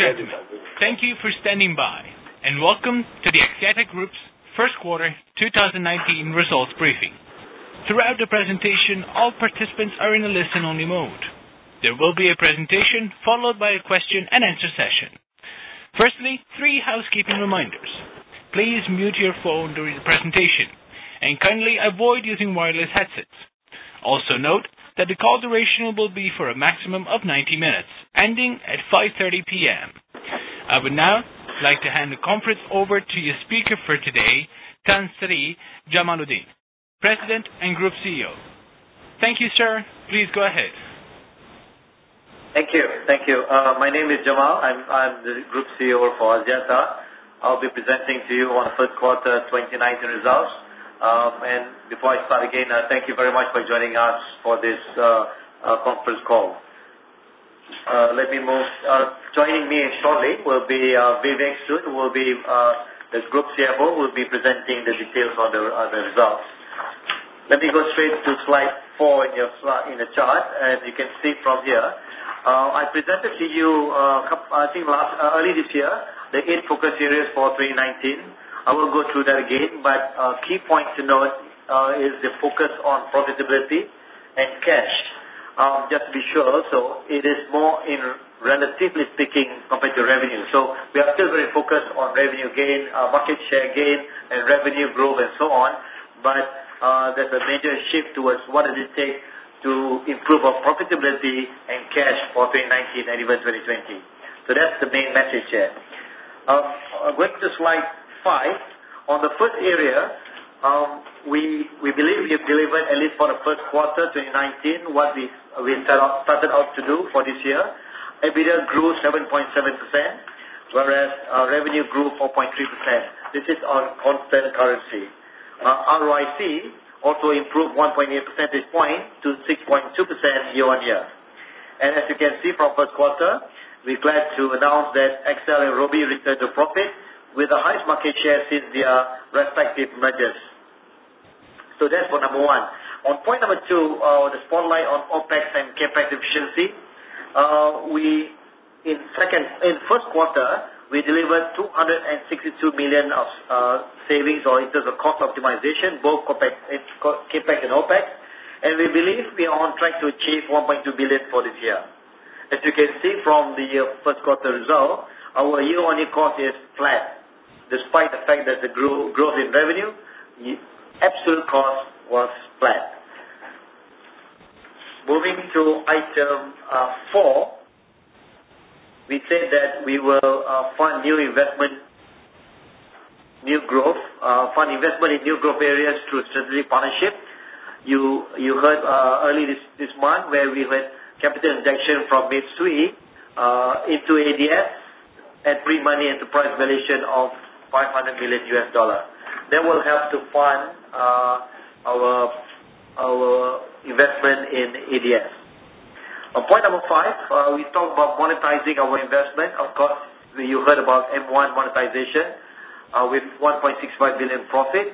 Ladies and gentlemen, thank you for standing by, and welcome to the Axiata Group's first quarter 2019 results briefing. Throughout the presentation, all participants are in a listen-only mode. There will be a presentation followed by a question and answer session. Firstly, three housekeeping reminders. Please mute your phone during the presentation, and kindly avoid using wireless headsets. Also note that the call duration will be for a maximum of 90 minutes, ending at 5:30 P.M. I would now like to hand the conference over to your speaker for today, Tan Sri Jamaludin, President and Group CEO. Thank you, sir. Please go ahead. Thank you. My name is Jamal. I'm the Group CEO for Axiata. I'll be presenting to you on third quarter 2019 results. Before I start, again, thank you very much for joining us for this conference call. Joining me shortly will be Vivek Sood, who will be the Group CFO, who will be presenting the details on the results. Let me go straight to slide four in the chart. As you can see from here, I presented to you, I think early this year, the eight focus areas for 2019. I will go through that again, key points to note is the focus on profitability and cash. Just to be sure also, it is more in relatively speaking compared to revenue. We are still very focused on revenue gain, market share gain, and revenue growth and so on. There's a major shift towards what does it take to improve our profitability and cash for 2019 and even 2020. That's the main message here. Going to slide five. On the first area, we believe we have delivered at least for the first quarter 2019, what we started out to do for this year. EBITDA grew 7.7%, whereas revenue grew 4.3%. This is on constant currency. ROIC also improved 1.8 percentage point to 6.2% year-on-year. As you can see from first quarter, we're glad to announce that Axiata and Robi returned to profit with the highest market share since their respective mergers. That's for number one. On point number two, the spotlight on OpEx and CapEx efficiency. In first quarter, we delivered 262 million of savings or in terms of cost optimization, both CapEx and OpEx, and we believe we are on track to achieve 1.2 billion for this year. As you can see from the first quarter result, our year-on-year cost is flat. Despite the fact that the growth in revenue, absolute cost was flat. Moving to item four, we said that we will fund investment in new growth areas through strategic partnership. You heard earlier this month where we had capital injection from Mitsui into ADF and bring money into price valuation of $500 million. That will help to fund our investment in ADF. On point number five, we talked about monetizing our investment. Of course, you heard about M1 monetization, with 1.65 billion profit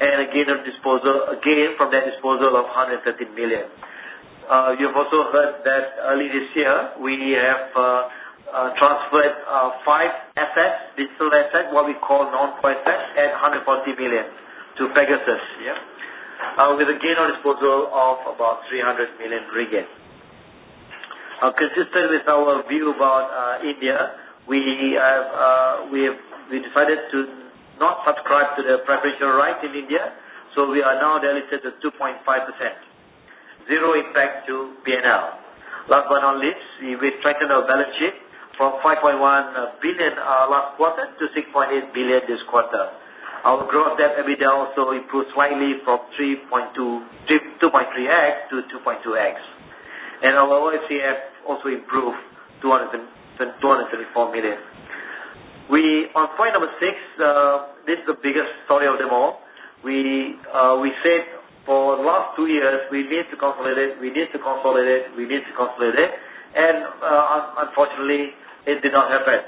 and a gain from their disposal of 130 million. You have also heard that early this year, we have transferred five digital assets, what we call non-core assets, at 140 million to Pegasus. With a gain on disposal of about 300 million ringgit. Consistent with our view about India, we decided to not subscribe to the preferential right in India, so we are now diluted to 2.5%. Zero impact to P&L. Last but not least, we've strengthened our balance sheet from 5.1 billion last quarter to 6.8 billion this quarter. Our gross debt EBITDA also improved slightly from 2.3x to 2.2x. Our OCF also improved 234 million. On point number 6, this is the biggest story of them all. We said for the last two years, we need to consolidate, we need to consolidate, we need to consolidate, and unfortunately, it did not happen.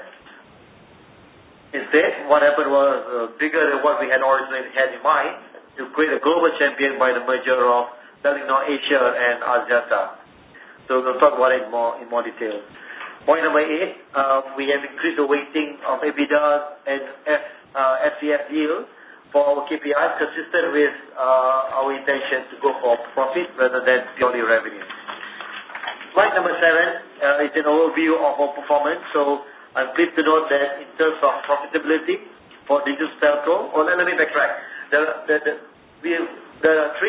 Instead, what happened was bigger than what we had originally had in mind to create a global champion by the merger of Telenor Asia and Axiata. We'll talk about it in more detail. Point number 8, we have increased the weighting of EBITDA and FCF yield for our KPIs consistent with our intention to go for profit rather than purely revenue. Slide number 7 is an overview of our performance, so I'm pleased to note that in terms of profitability for digital telco. Oh, let me backtrack. There are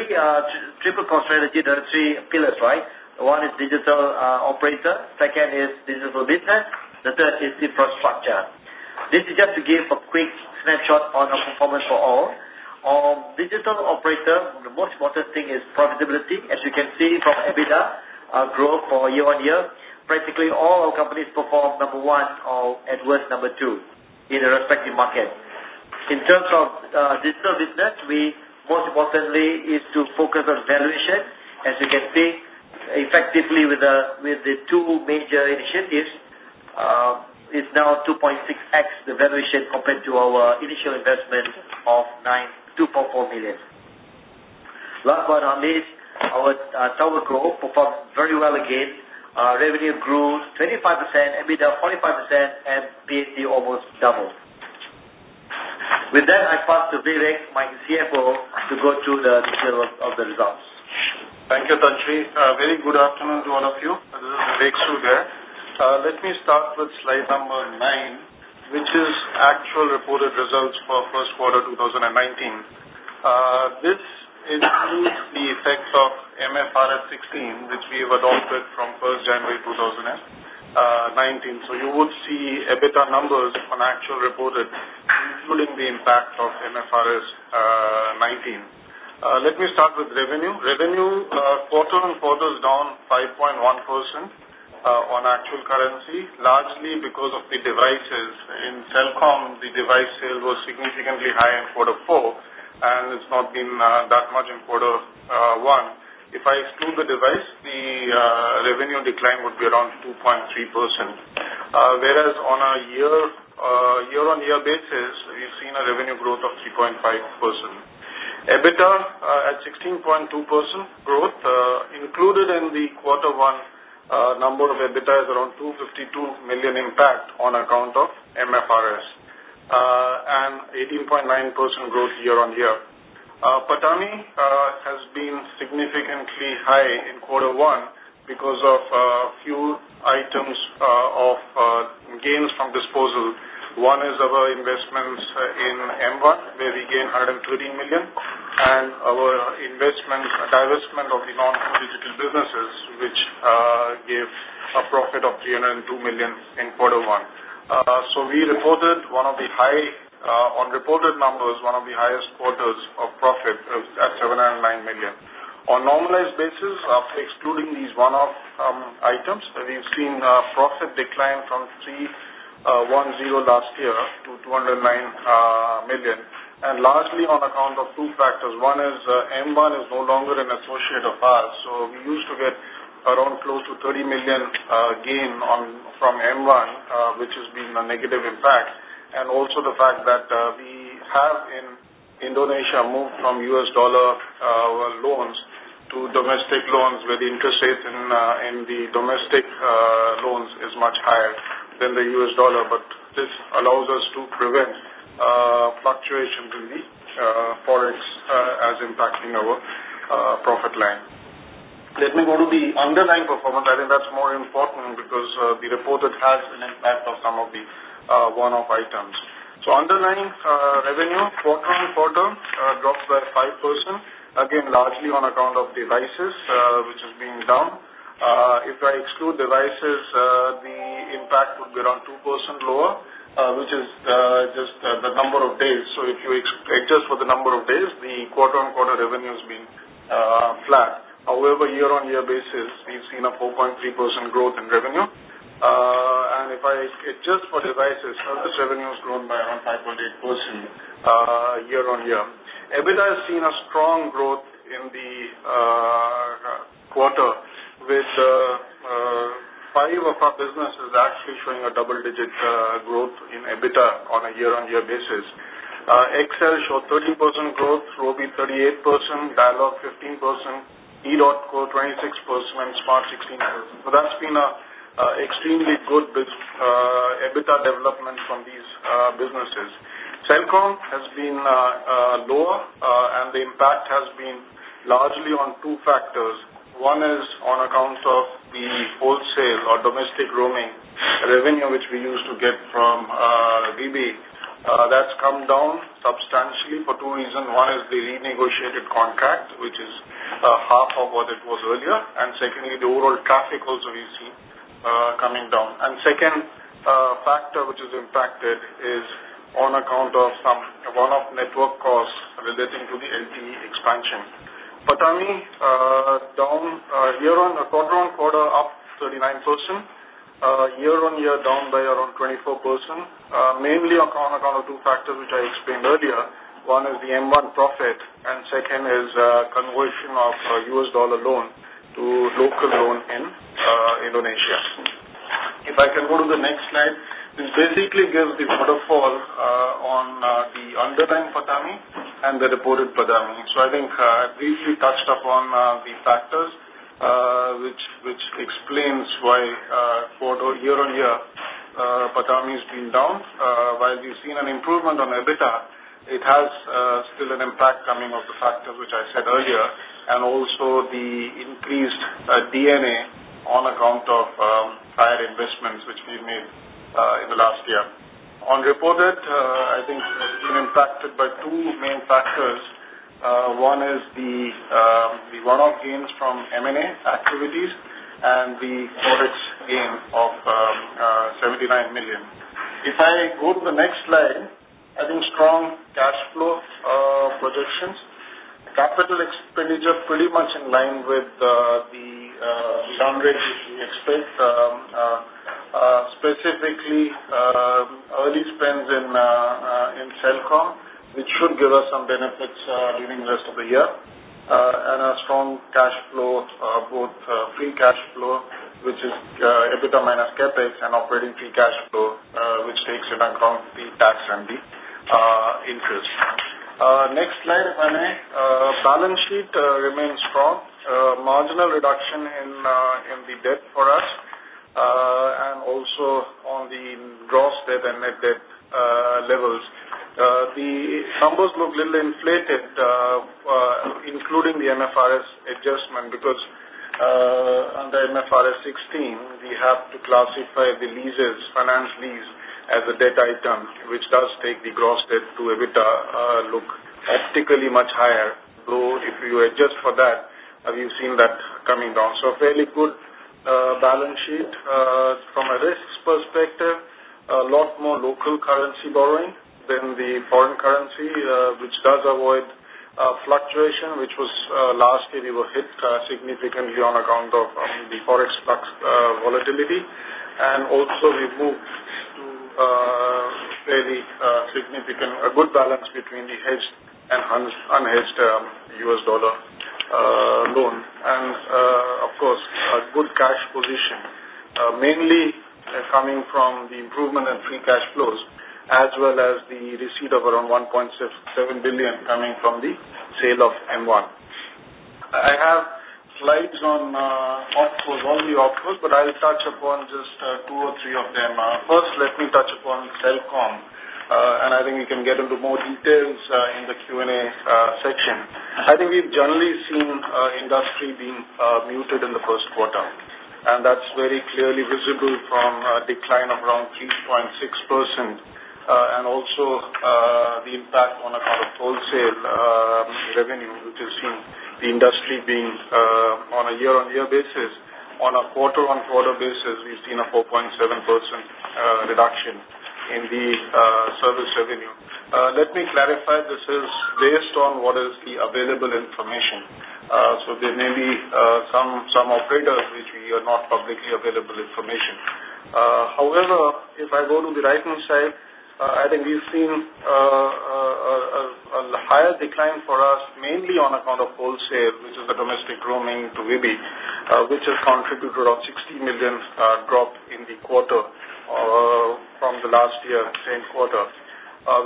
triple core strategy. There are three pillars, right? One is digital operator, second is digital business, the third is infrastructure. This is just to give a quick snapshot on our performance for all. On digital operator, the most important thing is profitability. As you can see from EBITDA growth for year-on-year, practically all our companies perform number 1 or at worst number 2 in their respective market. In terms of digital business, most importantly, is to focus on valuation. As you can see, effectively with the two major initiatives, it's now 2.6x the valuation compared to our initial investment of 2.4 million. Last but not least, our tower co performed very well again. Revenue grew 25%, EBITDA 45%, and PAT almost doubled. With that, I pass to Vivek, my CFO, to go through the details of the results. Thank you, Tan Sri. A very good afternoon to all of you. This is Vivek here. Let me start with slide number 9, which is actual reported results for first quarter 2019. This includes the effects of MFRS 16, which we have adopted from 1st January 2019. So you would see EBITDA numbers on actual reported including the impact of MFRS 16. Let me start with revenue. Revenue quarter-on-quarter is down 5.1% on actual currency, largely because of the devices. In Celcom, the device sale was significantly high in quarter four, and it's not been that much in quarter one. If I exclude the device, the revenue decline would be around 2.3%. Whereas on a year-on-year basis, we've seen a revenue growth of 3.5%. EBITDA at 16.2% growth, included in the quarter one number of EBITDA is around 252 million impact on account of MFRS, and 18.9% growth year-on-year. PATAMI has been significantly high in quarter one because of a few items of gains from disposal. One is our investments in M1, where we gain 113 million, and our divestment of the non-digital businesses, which gave a profit of 302 million in quarter one. We reported, on reported numbers, one of the highest quarters of profit at 709 million. On normalized basis, after excluding these one-off items, we've seen profit decline from 310 last year to 209 million. Largely on account of two factors. One is, M1 is no longer an associate of ours, we used to get around close to 30 million gain from M1, which has been a negative impact. Also the fact that we have in Indonesia moved from US dollar loans to domestic loans, where the interest rate in the domestic loans is much higher than the US dollar. This allows us to prevent fluctuations in the Forex as impacting our profit line. Let me go to the underlying performance. I think that's more important because the reported has an impact of some of the one-off items. Underlying revenue quarter-on-quarter dropped by 5%, again, largely on account of devices, which has been down. If I exclude devices, the impact would be around 2% lower, which is just the number of days. If you adjust for the number of days, the quarter-on-quarter revenue has been flat. However, year-on-year basis, we've seen a 4.3% growth in revenue. If I adjust for devices, service revenue has grown by around 5.8% year-on-year. EBITDA has seen a strong growth in the quarter, with five of our businesses actually showing a double-digit growth in EBITDA on a year-on-year basis. Axiata showed 13% growth, Robi 38%, Dialog 15%, edotco 26%, and Smart 16%. That's been extremely good EBITDA development from these businesses. Celcom has been lower, and the impact has been largely on two factors. One is on account of the wholesale or domestic roaming revenue, which we used to get from DB. That's come down substantially for two reasons. One is the renegotiated contract, which is half of what it was earlier, and secondly, the overall traffic also we see coming down. Second factor which is impacted is on account of some one-off network costs relating to the LTE expansion. PATAMI quarter-on-quarter up 39%, year-on-year down by around 24%, mainly on account of two factors which I explained earlier. One is the M1 profit, and second is conversion of US dollar loan to local loan in Indonesia. If I can go to the next slide, this basically gives the waterfall on the underlying PATAMI and the reported PATAMI. I think I briefly touched upon the factors, which explains why year-on-year, PATAMI has been down. While we've seen an improvement on EBITDA, it has still an impact coming of the factors which I said earlier, and also the increased D&A on account of prior investments which we've made in the last year. On reported, I think it has been impacted by two main factors. One is the one-off gains from M&A activities and the Forex gain of 79 million. If I go to the next slide, I think strong cash flow projections. Capital expenditure pretty much in line with the sound rate which we expect, specifically early spends in Celcom, which should give us some benefits during the rest of the year. A strong cash flow, both free cash flow, which is EBITDA minus CapEx and operating free cash flow on account of the tax and the interest. Next slide, [Manay]. Balance sheet remains strong. Marginal reduction in the debt for us, and also on the gross debt and net debt levels. The numbers look a little inflated, including the MFRS adjustment, because under MFRS 16, we have to classify the leases, finance lease, as a debt item, which does take the gross debt to EBITDA look particularly much higher, though if you adjust for that, you've seen that coming down. Fairly good balance sheet. From a risk perspective, a lot more local currency borrowing than the foreign currency, which does avoid fluctuation, which was, last year we were hit significantly on account of the Forex volatility. We moved to a good balance between the hedged and unhedged US dollar loan. A good cash position, mainly coming from the improvement in free cash flows, as well as the receipt of around 1.7 billion coming from the sale of M1. I have slides on OpCos, only OpCos, but I'll touch upon just two or three of them. First, let me touch upon Celcom. I think we can get into more details in the Q&A section. I think we've generally seen our industry being muted in the first quarter, and that's very clearly visible from a decline of around 3.6%, and also the impact on account of wholesale revenue, which has seen the industry being on a year-on-year basis. On a quarter-on-quarter basis, we've seen a 4.7% reduction in the service revenue. Let me clarify, this is based on what is the available information. There may be some operators which we have not publicly available information. However, if I go to the right-hand side, I think we've seen a higher decline for us, mainly on account of wholesale, which is the domestic roaming to webe, which has contributed around 60 million drop in the quarter from the last year, same quarter.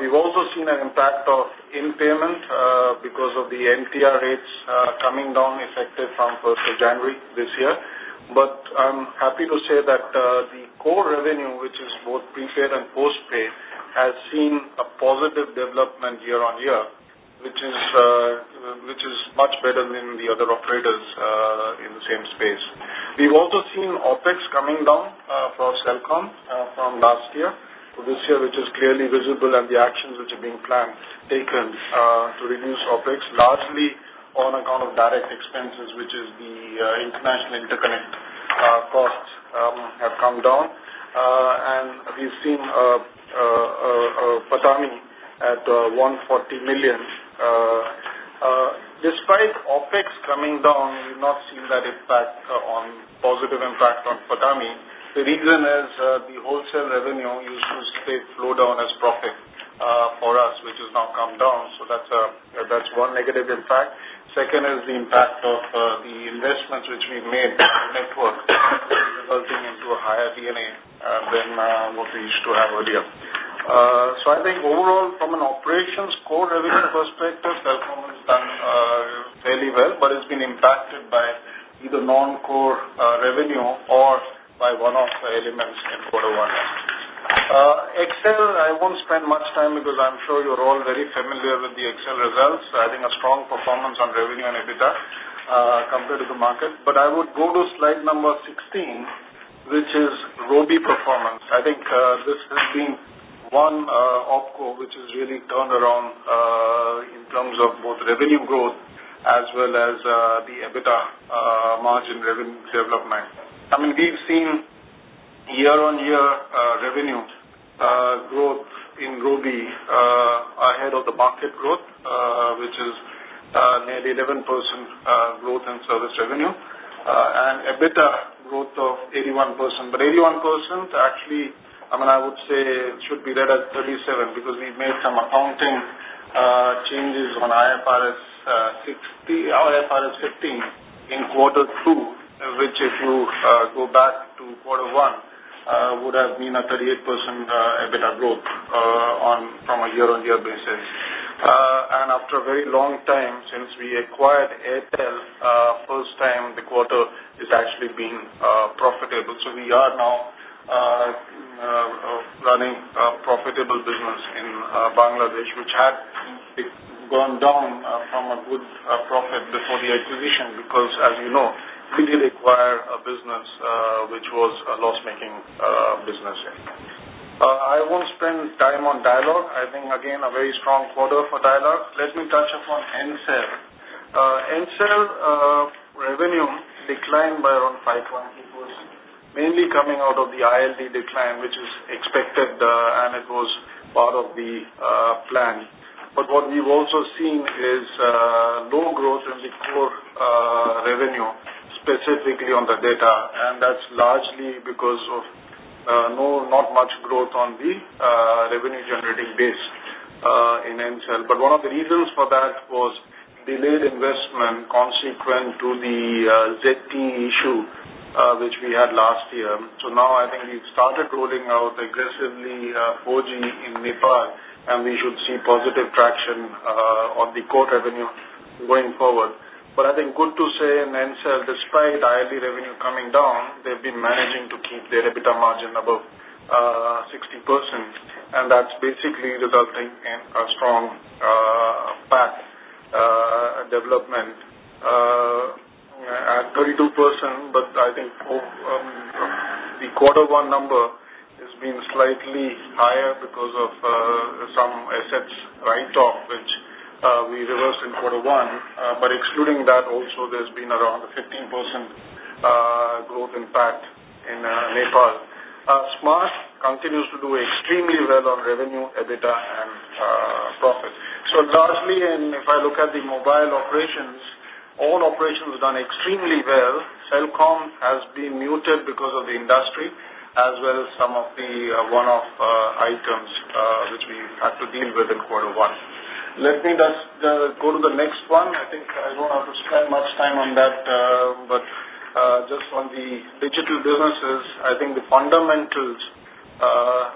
We've also seen an impact of in-payment because of the MTR rates coming down effective from 1st of January this year. I'm happy to say that the core revenue, which is both prepaid and postpaid, has seen a positive development year-on-year, which is much better than the other operators in the same space. We've also seen OpEx coming down for Celcom from last year to this year, which is clearly visible and the actions which are being taken to reduce OpEx, largely on account of direct expenses, which is the international interconnect costs have come down. We've seen PATAMI at 140 million. Despite OpEx coming down, we've not seen that positive impact on PATAMI. The reason is the wholesale revenue used to straight flow down as profit for us, which has now come down. Second is the impact of the investments which we've made in the network, resulting into a higher D&A than what we used to have earlier. I think overall, from an operations core revenue perspective, Celcom has done fairly well, but it's been impacted by either non-core revenue or by one-off elements in quarter one. XL, I won't spend much time because I'm sure you're all very familiar with the XL results. I think a strong performance on revenue and EBITDA compared to the market. I would go to slide number 16, which is Robi performance. I think this has been one OpCo which has really turned around in terms of both revenue growth as well as the EBITDA margin revenue development. We've seen year-on-year revenue growth in Robi ahead of the market growth, which is nearly 11% growth in service revenue, and EBITDA growth of 81%. 81% actually, I would say should be read as 37 because we made some accounting changes on IFRS 15 in quarter two, which if you go back to quarter one, would have been a 38% EBITDA growth from a year-on-year basis. After a very long time since we acquired Airtel, first time the quarter is actually being profitable. We are now running a profitable business in Bangladesh, which had gone down from a good profit before the acquisition because, as you know, we did acquire a business which was a loss-making business. I won't spend time on Dialog. I think again, a very strong quarter for Dialog. Let me touch upon Ncell. Ncell revenue declined by around 5.8%, mainly coming out of the ILD decline, which is expected, and it was part of the plan. What we've also seen is low growth in the core revenue, specifically on the data, and that's largely because of not much growth on the revenue-generating base in Ncell. One of the reasons for that was delayed investment consequent to the CGT issue, which we had last year. Now I think we've started rolling out aggressively 4G in Nepal, and we should see positive traction on the core revenue going forward. I think good to say in Ncell, despite the ILD revenue coming down, they've been managing to keep their EBITDA margin above 60%, and that's basically resulting in a strong PAT development at 32%. I think the quarter one number has been slightly higher because of some assets write-off, which we reversed in quarter one. Excluding that also, there's been around a 15% growth in PAT in Nepal. Smart continues to do extremely well on revenue, EBITDA, and profit. Lastly, and if I look at the mobile operations, all operations have done extremely well. Celcom has been muted because of the industry as well as some of the one-off items which we had to deal with in quarter one. Let me just go to the next one. I think I don't have to spend much time on that. Just on the digital businesses, I think the fundamentals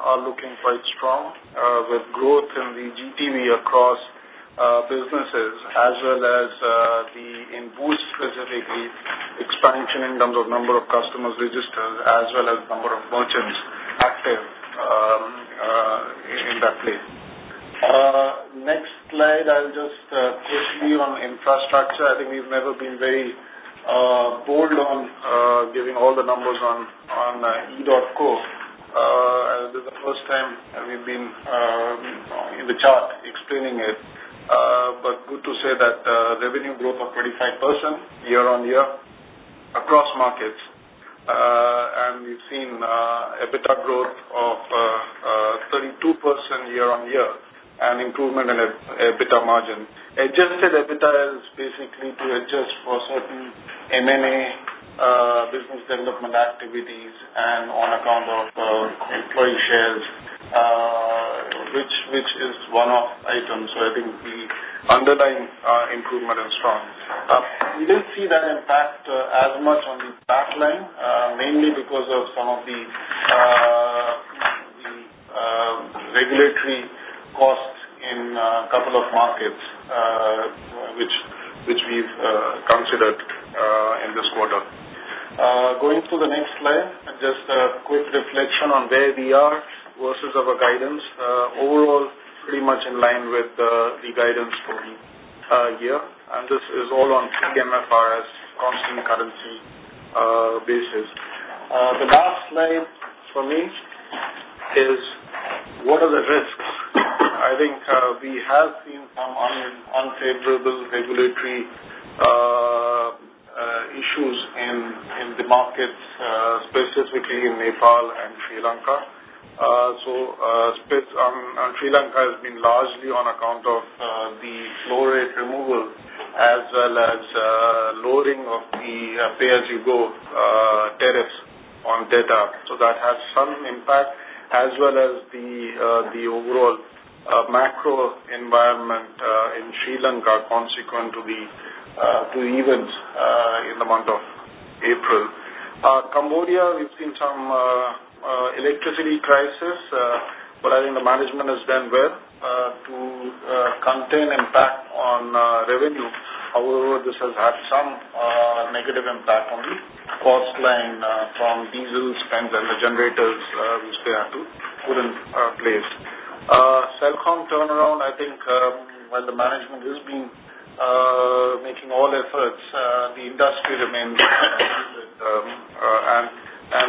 are looking quite strong, with growth in the GTV across businesses as well as the, in Boost specifically, expansion in terms of number of customers registered as well as number of merchants active in that place. Next slide, I'll just quickly on infrastructure. I think we've never been very bold on giving all the numbers on edotco. This is the first time that we've been in the chart explaining it. Good to say that revenue growth of 35% year-on-year across markets. We've seen EBITDA growth of 32% year-on-year, and improvement in EBITDA margin. Adjusted EBITDA is basically to adjust for certain M&A business development activities and on account of employee shares, which is one-off item. I think the underlying improvement is strong. We didn't see that impact as much on the PAT line, mainly because of some of the regulatory costs in a couple of markets, which we've considered in this quarter. Going to the next slide, just a quick reflection on where we are versus our guidance. Overall, pretty much in line with the guidance for the year. This is all on MFRS constant currency basis. The last slide for me is what are the risks. I think we have seen some unfavorable regulatory issues in the markets, specifically in Nepal and Sri Lanka. Sri Lanka has been largely on account of the floor rate removal as well as loading of the pay-as-you-go tariffs on data. That has some impact, as well as the overall macro environment in Sri Lanka consequent to the events in the month of April. Cambodia, we've seen some electricity crisis, but I think the management has done well to contain impact on revenue. However, this has had some negative impact on the cost line from diesel standby generators, which they had to put in place. Celcom turnaround, I think, while the management has been making all efforts, the industry remains muted.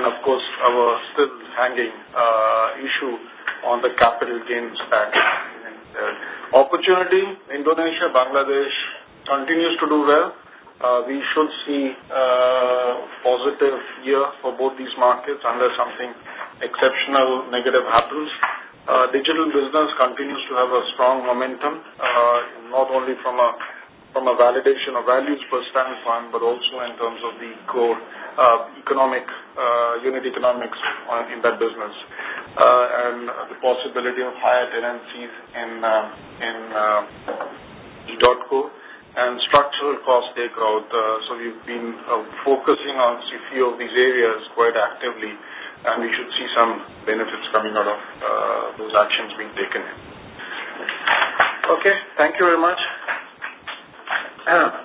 Of course, our still hanging issue on the capital gains tax in India. Opportunity. Indonesia, Bangladesh continues to do well. We should see a positive year for both these markets unless something exceptional negative happens. Digital business continues to have a strong momentum, not only from a validation of values perspective, but also in terms of the core unit economics in that business. The possibility of higher LNCs in edotco and structural cost takeout. We've been focusing on a few of these areas quite actively, we should see some benefits coming out of those actions being taken. Okay, thank you very much.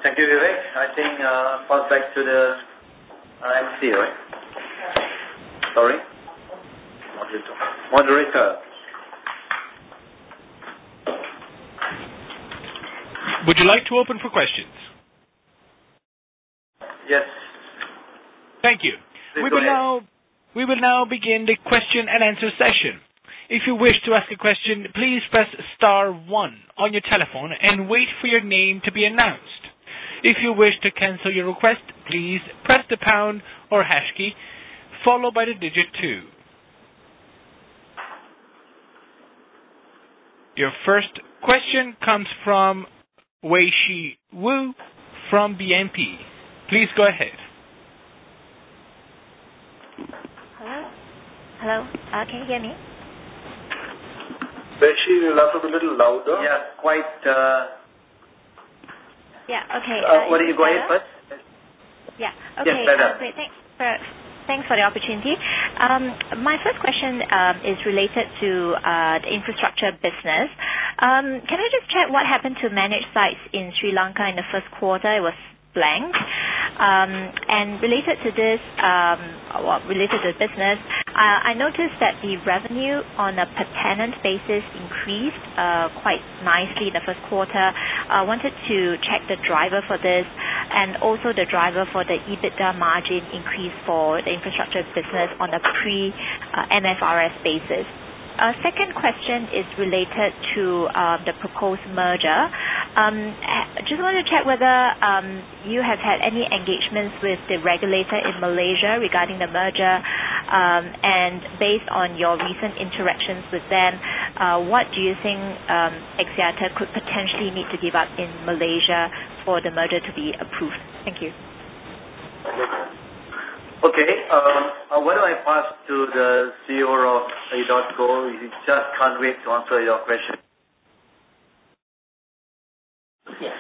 Thank you, Vivek. I think pass back to the MC, right? Sorry. Moderator. Would you like to open for questions? Yes. Thank you. Please go ahead. We will now begin the question and answer session. If you wish to ask a question, please press star 1 on your telephone and wait for your name to be announced. If you wish to cancel your request, please press the pound or hash key, followed by the digit 2. Your first question comes from Wei Shi Wu from BNP. Please go ahead. Hello, can you hear me? [Basir], can you talk a little louder? Yeah, quite. Yeah. Okay. What do you go ahead first? Yeah. Okay. Yes, better. Thanks for the opportunity. My first question is related to the infrastructure business. Can I just check what happened to managed sites in Sri Lanka in the first quarter? It was blank. Related to this business, I noticed that the revenue on a per tenant basis increased quite nicely in the first quarter. I wanted to check the driver for this and also the driver for the EBITDA margin increase for the infrastructure business on a pre IFRS basis. Second question is related to the proposed merger. Just wanted to check whether you have had any engagements with the regulator in Malaysia regarding the merger, based on your recent interactions with them, what do you think Axiata could potentially need to give up in Malaysia for the merger to be approved? Thank you. Okay. Why don't I pass to the CEO of edotco? He just can't wait to answer your question. Yes.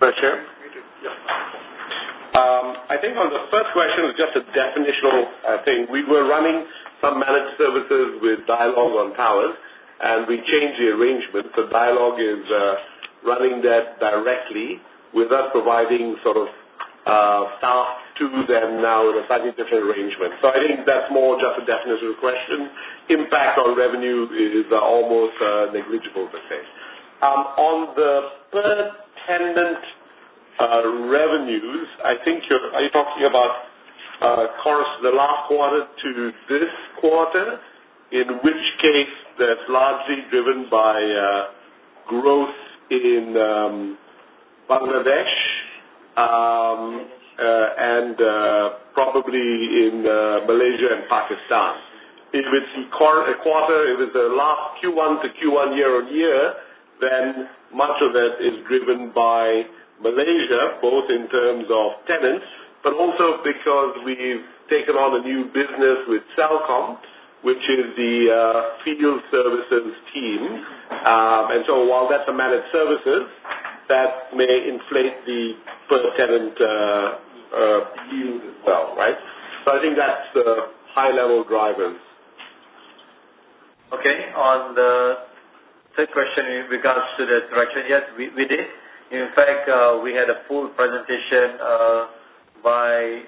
[Basir]? Yes. I think on the first question, it's just a definitional thing. We were running some managed services with Dialog on towers, we changed the arrangement so Dialog is running that directly with us providing staff to them now in a slightly different arrangement. I think that's more just a definitional question. Impact on revenue is almost negligible, I say. On the per-tenant revenues, are you talking about the last quarter to this quarter? In which case, that's largely driven by growth in Bangladesh and probably in Malaysia and Pakistan. If it's the last Q1 to Q1 year-on-year, then much of that is driven by Malaysia, both in terms of tenants, but also because we've taken on a new business with Celcom, which is the field services team. While that's the managed services, that may inflate the per-tenant view as well, right? I think that's the high-level drivers. Okay. On the third question in regards to the direction, yes, we did. In fact, we had a full presentation by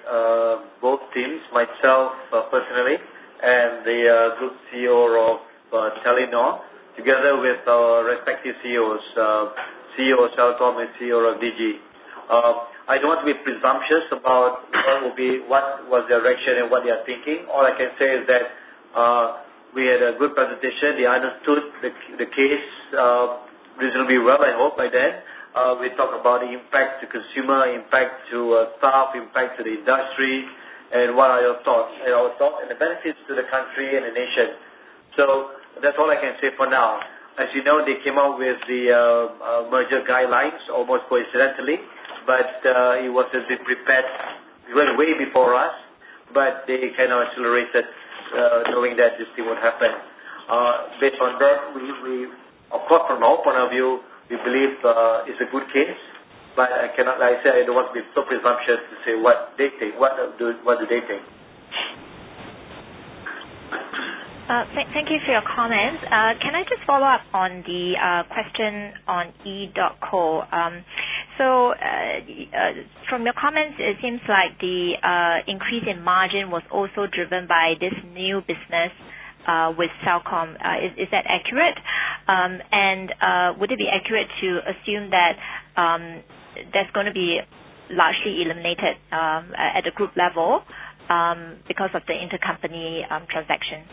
both teams, myself personally and the Group CEO of Telenor, together with our respective CEOs, CEO of Celcom and CEO of Digi. I don't want to be presumptuous about what was the direction and what they are thinking. All I can say is that we had a good presentation. They understood the case reasonably well, I hope by then. We talk about the impact to consumer, impact to staff, impact to the industry, and what are your thoughts and our thoughts and the benefits to the country and the nation. That's all I can say for now. As you know, they came out with the merger guidelines almost coincidentally, it was as if prepared well, way before us, but they kind of accelerated knowing that this thing would happen. Based on that, of course, from our point of view, we believe it's a good case, but like I said, I don't want to be so presumptuous to say, what do they think? Thank you for your comments. Can I just follow up on the question on edotco? From your comments, it seems like the increase in margin was also driven by this new business with Celcom. Is that accurate? Would it be accurate to assume that there's going to be largely eliminated at a group level because of the intercompany transactions?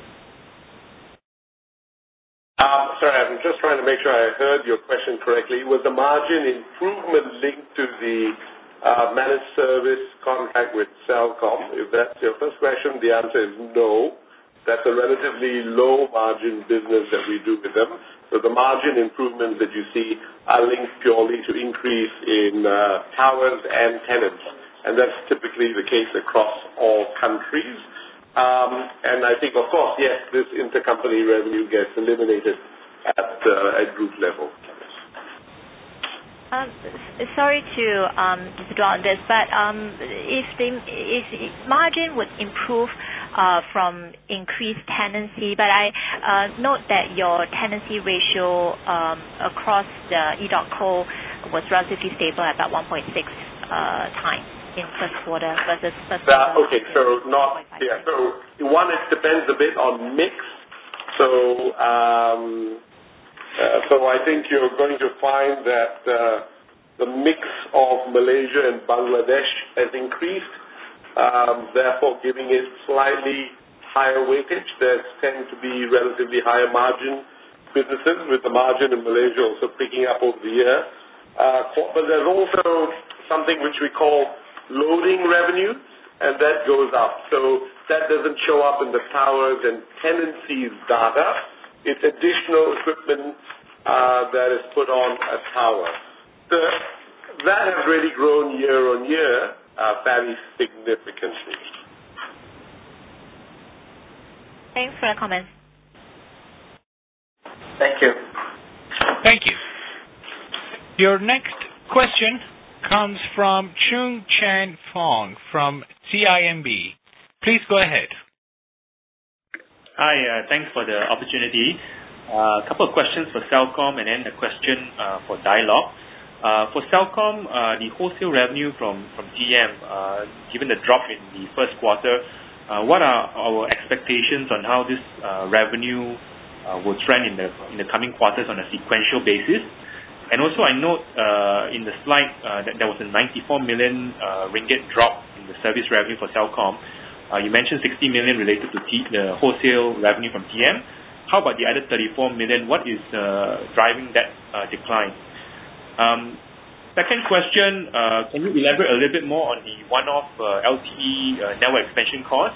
Sorry, I'm just trying to make sure I heard your question correctly. Was the margin improvement linked to the managed service contract with Celcom? If that's your first question, the answer is no. That's a relatively low margin business that we do with them. The margin improvements that you see are linked purely to increase in towers and tenants, and that's typically the case across all countries. I think, of course, yes, this intercompany revenue gets eliminated at group level. Sorry to draw on this, if margin would improve from increased tenancy. I note that your tenancy ratio across the edotco was relatively stable at that 1.6 times in first quarter versus first quarter. One, it depends a bit on mix. I think you're going to find that the mix of Malaysia and Bangladesh has increased, therefore giving it slightly higher weightage that tend to be relatively higher margin businesses, with the margin in Malaysia also picking up over the year. There's also something which we call loading revenues, and that goes up. That doesn't show up in the towers and tenancies data. It's additional equipment that is put on a tower. That has really grown year-on-year, very significantly. Thanks for your comment. Thank you. Thank you. Your next question comes from Chong Chan Fong from CIMB. Please go ahead. Hi. Thanks for the opportunity. A couple of questions for Celcom and then a question for Dialog. For Celcom, the wholesale revenue from TM. Given the drop in the first quarter, what are our expectations on how this revenue will trend in the coming quarters on a sequential basis? Also, I note in the slide that there was a 94 million ringgit drop in the service revenue for Celcom. You mentioned 60 million related to the wholesale revenue from TM. How about the other 34 million? What is driving that decline? Second question, can you elaborate a little bit more on the one-off LTE network expansion cost?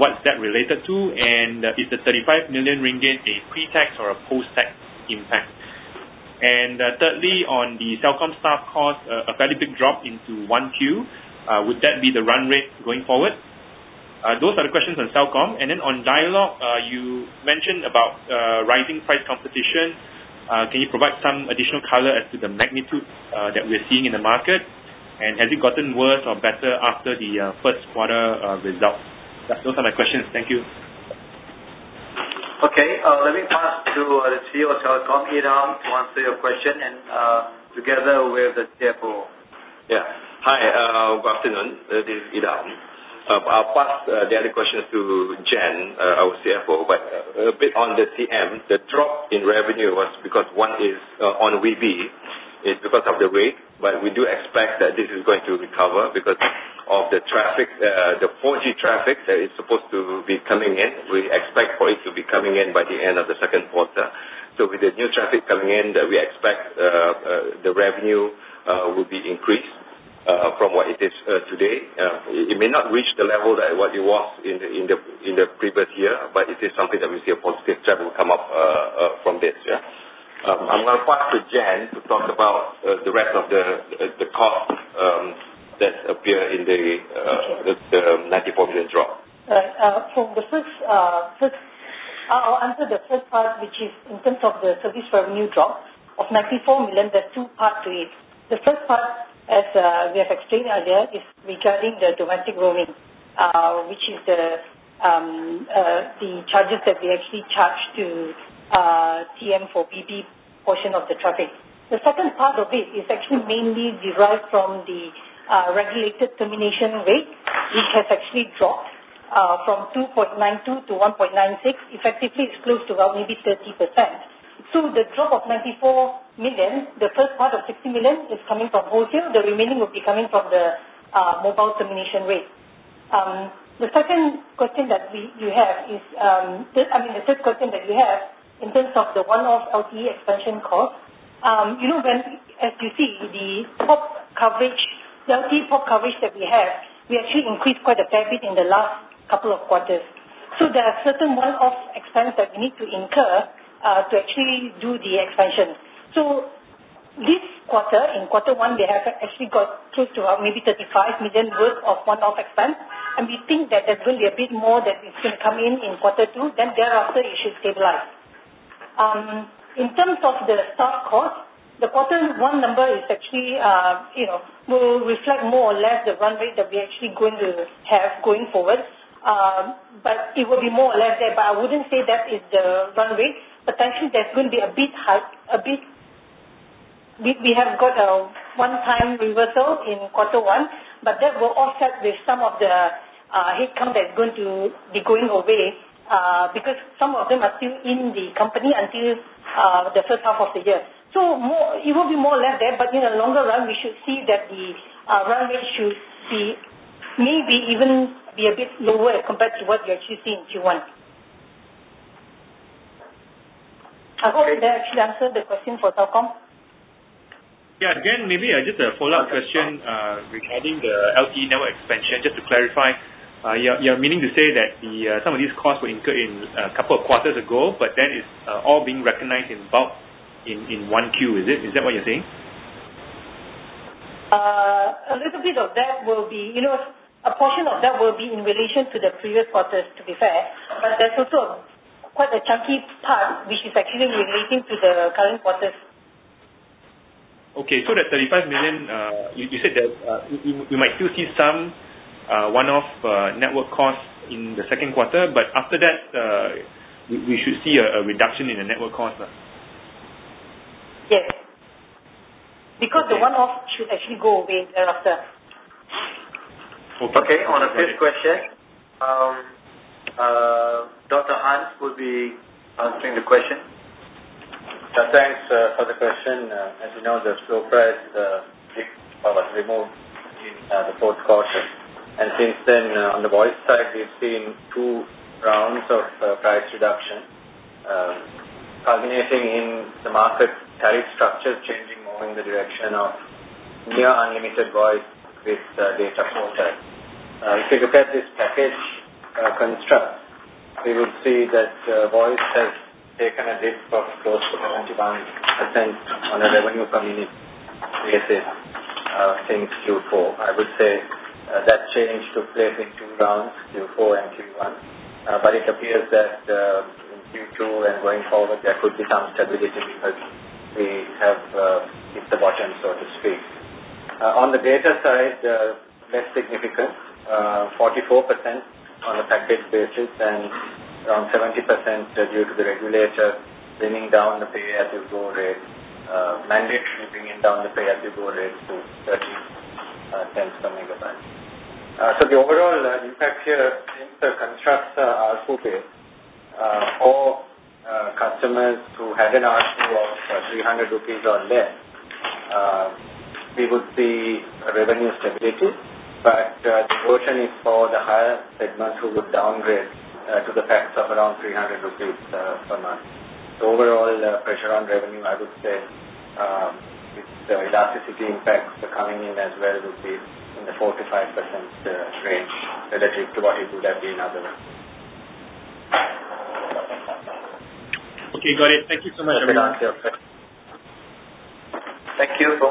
What is that related to? Is the 35 million ringgit a pre-tax or a post-tax impact? Thirdly, on the Celcom staff cost, a fairly big drop in 1Q. Would that be the run rate going forward? Those are the questions on Celcom. Then on Dialog, you mentioned about rising price competition. Can you provide some additional color as to the magnitude that we are seeing in the market? Has it gotten worse or better after the first quarter results? Those are my questions. Thank you. Okay. Let me pass to the CEO of Celcom, Idham, to answer your question and together with the CFO. Hi, good afternoon. This is Idham. I will pass the other questions to Jen, our CFO. A bit on the CM, the drop in revenue was because one is on webe, is because of the rate, but we do expect that this is going to recover because of the 4G traffic that is supposed to be coming in. We expect for it to be coming in by the end of the second quarter. With the new traffic coming in, we expect the revenue will be increased from what it is today. It may not reach the level that what it was in the previous year, but it is something that we see a positive trend will come up from this. I am going to pass to Jen to talk about the rest of the cost that appear in the 94 million drop. I will answer the first part, which is in terms of the service revenue drop of 94 million, there are two parts to it. The first part, as we have explained earlier, is regarding the domestic roaming, which is the charges that we charge to TM for webe portion of the traffic. The second part of it is mainly derived from the regulated termination rate, which has dropped from 2.92 to 1.96. Effectively, it is close to about maybe 30%. The drop of 94 million, the first part of 60 million is coming from wholesale. The remaining will be coming from the mobile termination rate. The third question that you have in terms of the one-off LTE expansion cost. As you see, the LTE pop coverage that we have, we increased quite a bit in the last couple of quarters. There are certain one-off expense that we need to incur to do the expansion. This quarter, in quarter one, we have got close to about maybe 35 million worth of one-off expense, and we think that there is going to be a bit more that is going to come in quarter two, then thereafter it should stabilize. In terms of the staff cost, the quarter one number will reflect more or less the run rate that we are going to have going forward. It will be more or less there, but I would not say that is the run rate. Potentially, there is going to be a bit hike. We have got a one-time reversal in quarter one, that will offset with some of the headcount that is going to be going away because some of them are still in the company until the first half of the year. It will be more or less there, in the longer run, we should see that the run rate should maybe even be a bit lower compared to what we are seeing in Q1. I hope that answers the question for Celcom. Yeah. Jen, maybe just a follow-up question regarding the LTE network expansion, just to clarify. You're meaning to say that some of these costs were incurred a couple of quarters ago, but then it's all being recognized in bulk in one Q. Is that what you're saying? A portion of that will be in relation to the previous quarters, to be fair, but there's also quite a chunky part which is actually relating to the current quarters. Okay. That 35 million, you said that we might still see some one-off network costs in the second quarter, but after that, we should see a reduction in the network cost? Yes. The one-off should actually go away thereafter. Okay. Okay. On the third question, Dr. Hans will be answering the question. Thanks for the question. As you know, the floor price removed in the fourth quarter. Since then, on the voice side, we’ve seen two rounds of price reduction, culminating in the market tariff structure changing more in the direction of near unlimited voice with data. If you look at this package construct, we would see that taken a hit of close to 71% on a revenue from EBITDA basis, since Q4. I would say that change took place in two rounds, Q4 and Q1. It appears that in Q2 and going forward, there could be some stability because we have hit the bottom, so to speak. On the data side, less significant, 44% on a package basis and around 70% due to the regulator mandatorily bringing down the pay-as-you-go rate to LKR 0.30 per megabyte. The overall impact here in terms of contracts ARPU base, all customers who had an ARPU of LKR 300 or less, we would see a revenue stability, but the erosion is for the higher segments who would downgrade to the packs of around LKR 300 per month. Overall, pressure on revenue, I would say, with the elasticity impacts coming in as well, would be in the 4%-5% range relative to what it would have been otherwise. Okay, got it. Thank you so much. Thank you.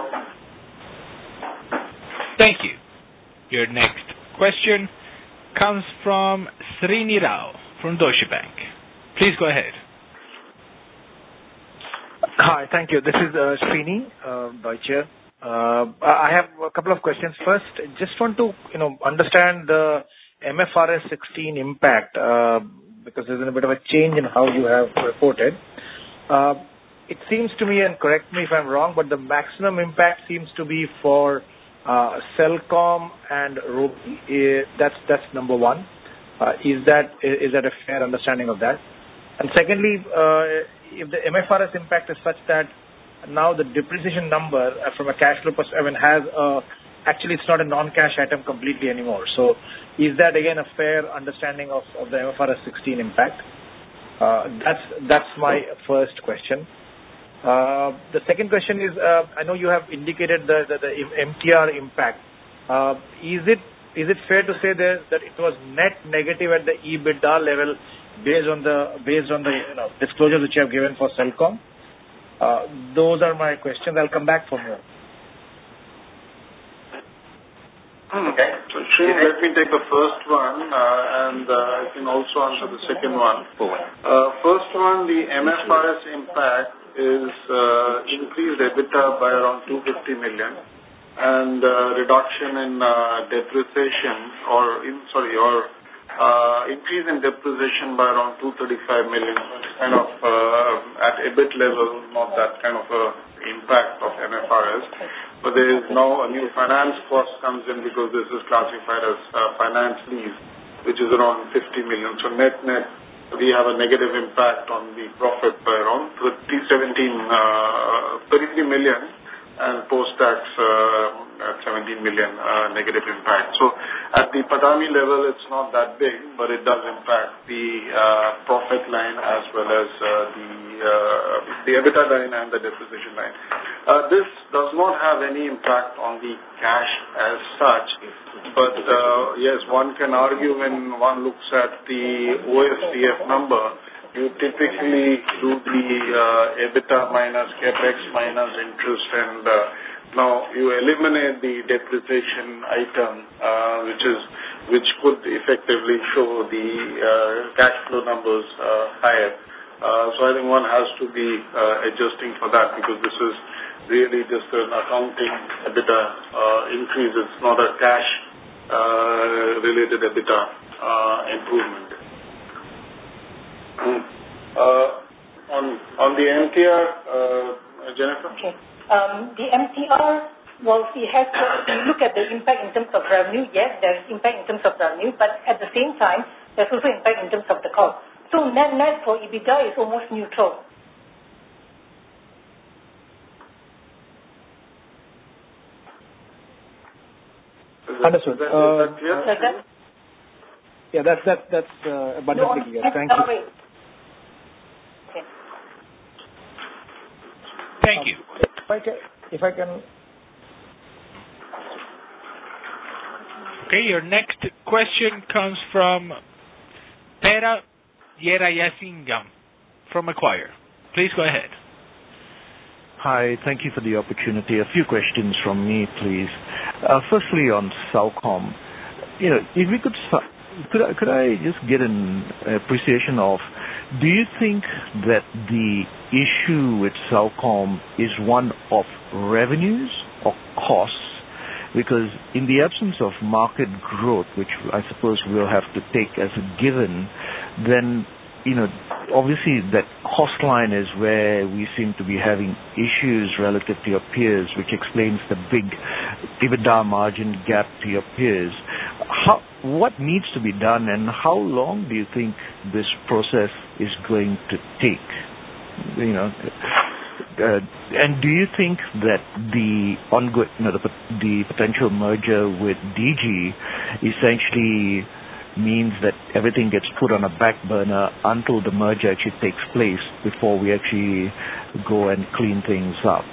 Thank you. Your next question comes from Srini Rao from Deutsche Bank. Please go ahead. Hi. Thank you. This is Srini, Deutsche. I have a couple of questions. First, just want to understand the MFRS 16 impact, because there's been a bit of a change in how you have reported. It seems to me, and correct me if I'm wrong, but the maximum impact seems to be for Celcom and Robi. That's number one. Is that a fair understanding of that? Secondly, if the MFRS impact is such that now the depreciation number from a cash flow perspective, actually it's not a non-cash item completely anymore. Is that, again, a fair understanding of the MFRS 16 impact? That's my first question. The second question is, I know you have indicated the MTR impact. Is it fair to say that it was net negative at the EBITDA level based on the disclosure which you have given for Celcom? Those are my questions. I'll come back from here. Okay. Srini, let me take the first one, and I can also answer the second one. Go on. First one, the MFRS impact is increased EBITDA by around MYR 250 million, and increase in depreciation by around 235 million, at EBIT level, not that kind of impact of MFRS. There is now a new finance cost comes in because this is classified as a finance lease, which is around 50 million. Net-net, we have a negative impact on the profit by around 13, 17, 13 million and post-tax at 17 million negative impact. At the PATAMI level, it's not that big, but it does impact the profit line as well as the EBITDA line and the depreciation line. This does not have any impact on the cash as such. Yes, one can argue when one looks at the OSCF number, you typically do the EBITDA minus CapEx minus interest, and now you eliminate the depreciation item, which could effectively show the cash flow numbers higher. Anyone has to be adjusting for that because this is really just an accounting EBITDA increase. It's not a cash-related EBITDA improvement. On the MTR, Jennifer? The MTR, if you look at the impact in terms of revenue, yes, there is impact in terms of revenue. At the same time, there's also impact in terms of the cost. Net-net for EBITDA is almost neutral. Understood. Is that clear? Yeah, that's about it. Thank you. No, that's all right. Okay. Thank you. If I can Okay, your next question comes from Prem Jearajasingam from Macquarie. Please go ahead. Hi. Thank you for the opportunity. A few questions from me, please. Firstly, on Celcom. Could I just get an appreciation of, do you think that the issue with Celcom is one of revenues or costs? Because in the absence of market growth, which I suppose we'll have to take as a given, then obviously that cost line is where we seem to be having issues relative to your peers, which explains the big EBITDA margin gap to your peers. What needs to be done, and how long do you think this process is going to take? Do you think that the potential merger with Digi essentially means that everything gets put on a back burner until the merger actually takes place before we actually go and clean things up?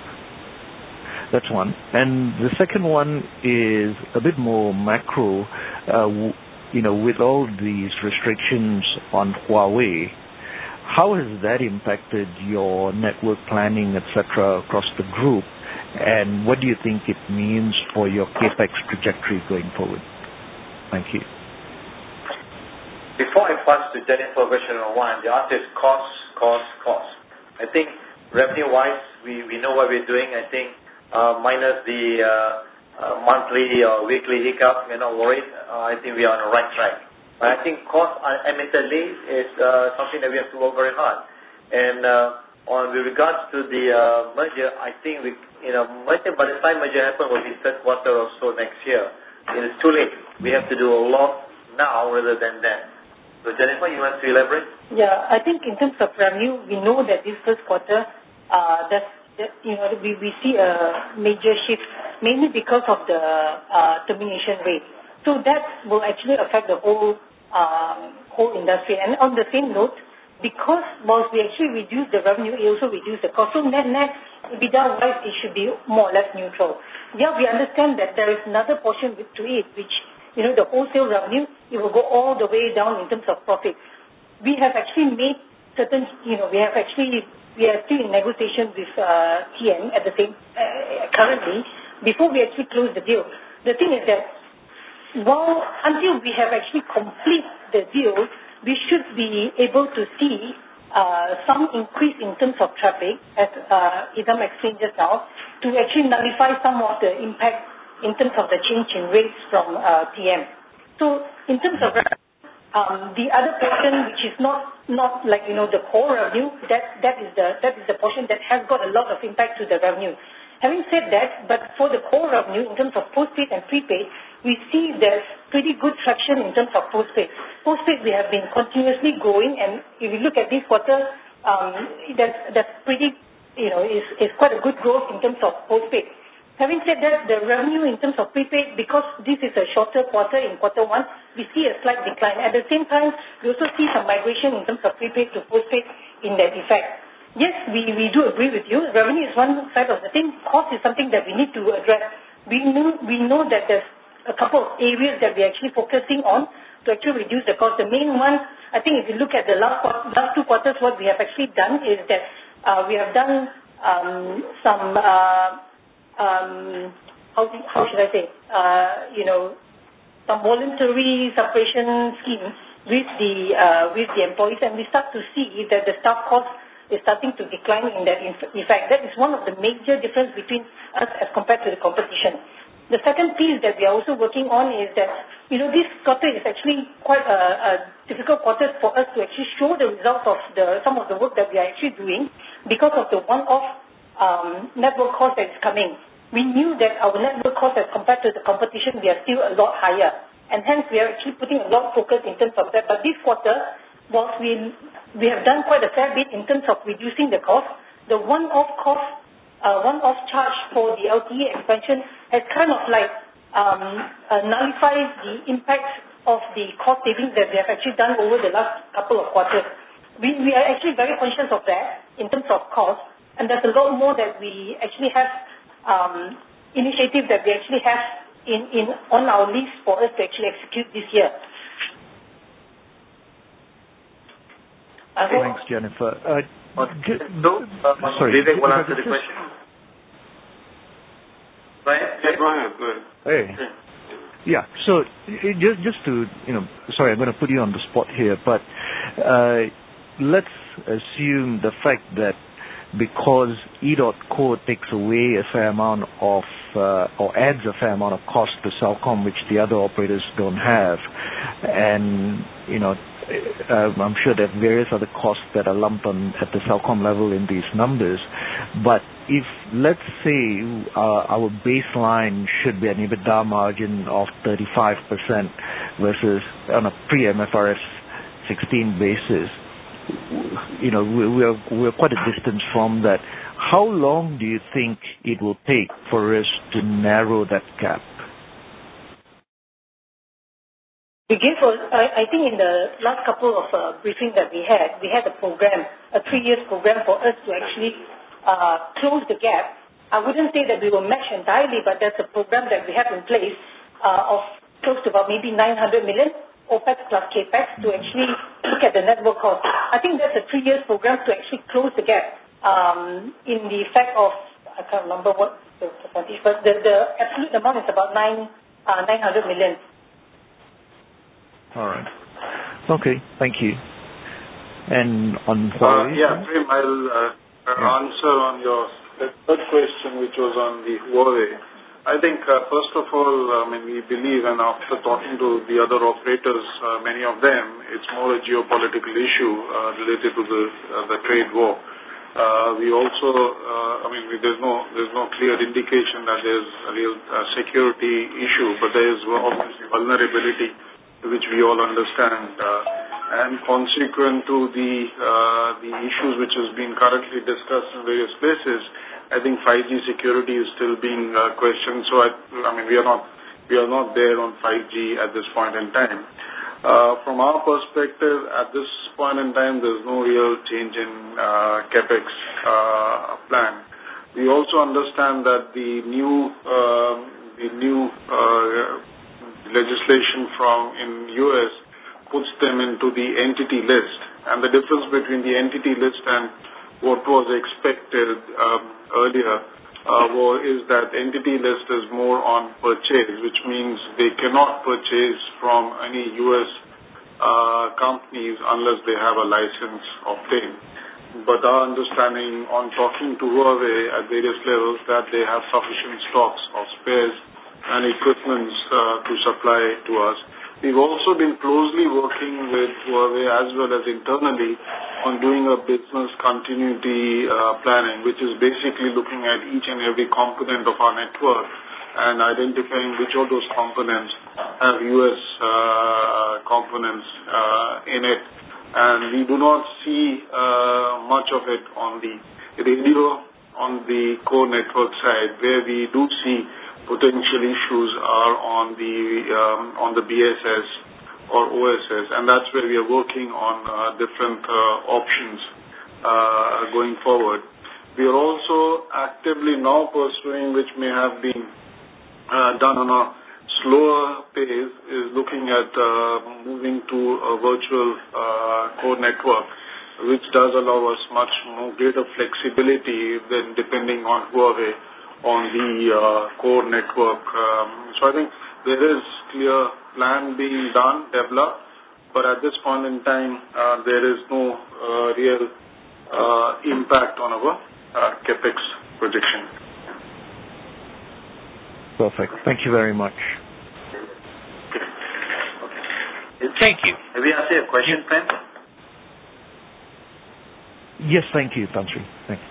That's one. The second one is a bit more macro. With all these restrictions on Huawei, how has that impacted your network planning, et cetera, across the group? What do you think it means for your CapEx trajectory going forward? Thank you. Before I pass to Jennifer question on one, the answer is cost. I think revenue-wise, we know what we're doing. I think minus the monthly or weekly hiccup, we're not worried. I think we are on the right track. I think cost, admittedly, is something that we have to work very hard. On with regards to the merger, I think by the time merger happens will be third quarter or so next year. It is too late. We have to do a lot now rather than then. Jennifer, you want to elaborate? Yeah. I think in terms of revenue, we know that this first quarter, we see a major shift, mainly because of the termination rate. That will actually affect the whole industry. On the same note, because whilst we actually reduce the revenue, it also reduce the cost. Net-net, EBITDA-wise, it should be more or less neutral. Yes, we understand that there is another portion to it, which the wholesale revenue, it will go all the way down in terms of profit. We are still in negotiation with TM currently, before we actually close the deal. The thing is that until we have actually completed the deal, we should be able to see some increase in terms of traffic, as Idham explained just now, to actually nullify some of the impact in terms of the change in rates from TM. In terms of revenue, the other portion, which is not the core revenue, that is the portion that has got a lot of impact to the revenue. Having said that, for the core revenue, in terms of postpaid and prepaid, we see there's pretty good traction in terms of postpaid. Postpaid, we have been continuously growing, and if you look at this quarter, it's quite a good growth in terms of postpaid. Having said that, the revenue in terms of prepaid, because this is a shorter quarter in quarter one, we see a slight decline. At the same time, we also see some migration in terms of prepaid to postpaid in that effect. Yes, we do agree with you. Revenue is one side of the thing. Cost is something that we need to address. We know that there's a couple of areas that we're actually focusing on to actually reduce the cost. The main one, I think if you look at the last two quarters, what we have actually done is that we have done some voluntary separation schemes with the employees, and we start to see that the staff cost is starting to decline in that effect. That is one of the major difference between us as compared to the competition. The second piece that we are also working on is that this quarter is actually quite a difficult quarter for us to actually show the results of some of the work that we are actually doing because of the one-off network cost that is coming. We knew that our network cost as compared to the competition, we are still a lot higher, and hence we are actually putting a lot of focus in terms of that. This quarter, whilst we have done quite a fair bit in terms of reducing the cost, the one-off charge for the LTE expansion has kind of nullified the impact of the cost saving that we have actually done over the last couple of quarters. We are actually very conscious of that in terms of cost, and there's a lot more that we actually have initiative that we actually have on our list for us to actually execute this year. Thanks, Jennifer. Did that answer the question? Yeah. Sorry, I'm going to put you on the spot here. Let's assume the fact that because edotco takes away a fair amount of or adds a fair amount of cost to Celcom which the other operators don't have, and I'm sure there are various other costs that are lumped at the Celcom level in these numbers. If, let's say, our baseline should be an EBITDA margin of 35% versus on a pre-MFRS 16 basis, we're quite a distance from that. How long do you think it will take for us to narrow that gap? I think in the last couple of briefings that we had, we had a program, a three-year program, for us to actually close the gap. I wouldn't say that we will match entirely, there's a program that we have in place of close to about maybe 900 million OpEx plus CapEx to actually look at the network cost. I think that's a three-year program to actually close the gap in the effect of, I can't remember what the 41st, the absolute amount is about MYR 900 million. All right. Okay, thank you. Sorry. I will answer your third question, which was on Huawei. First of all, we believe, after talking to the other operators, many of them, it is more a geopolitical issue related to the trade war. There is no clear indication that there is a real security issue, but there is obviously vulnerability, which we all understand. Consequent to the issues which is being currently discussed in various places, 5G security is still being questioned. We are not there on 5G at this point in time. From our perspective, at this point in time, there is no real change in CapEx plan. We also understand that the new legislation in the U.S. puts them into the Entity List, the difference between the Entity List and what was expected earlier is that the Entity List is more on purchase, which means they cannot purchase from any U.S. companies unless they have a license obtained. Our understanding on talking to Huawei at various levels, that they have sufficient stocks of spares and equipment to supply to us. We have also been closely working with Huawei as well as internally on doing a business continuity planning, which is basically looking at each and every component of our network and identifying which of those components have U.S. components in it. We do not see much of it on the renewal on the core network side. Where we do see potential issues are on the BSS or OSS, that is where we are working on different options going forward. We are also actively now pursuing, which may have been done on a slower pace, is looking at moving to a virtual core network, which does allow us much more greater flexibility than depending on Huawei on the core network. There is clear plan being done, developed, but at this point in time, there is no real impact on our CapEx projection. Perfect. Thank you very much. Okay. Thank you. Have you asked your question, Prem? Yes, thank you, Tan Sri. Thanks.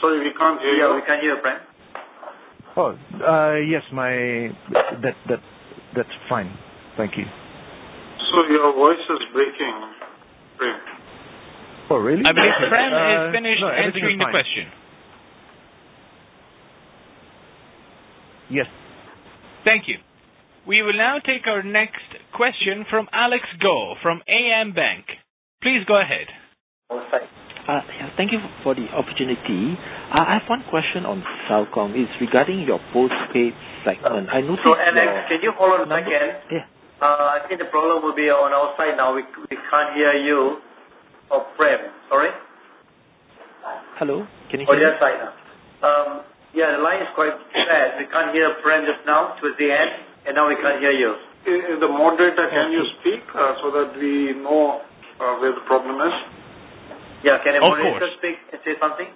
Sorry, we can't hear you. Yeah, we can't hear Prem. Oh, yes. That's fine. Thank you. Your voice is breaking, Prem. Oh, really? I believe Prem is finished answering the question. Yes. Thank you. We will now take our next question from Alex Goh from AmBank. Please go ahead. One second. Yeah, thank you for the opportunity. I have one question on Celcom. It's regarding your postpaid segment. I noticed. Alex, can you hold on a second? Yeah. I think the problem will be on our side now. We can't hear you or Prem. Sorry. Hello, can you hear me? Oh, yes, I can. The line is quite bad. We can't hear Prem just now towards the end, and now we can't hear you. The moderator, can you speak so that we know where the problem is? Can the moderator speak and say something?